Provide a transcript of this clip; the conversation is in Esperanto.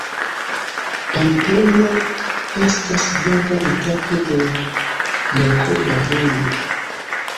Pamplono estas grava etapo de la Jakoba Vojo.